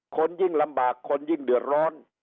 คนยิ่งลำบากคนยิ่งเดือดร้อน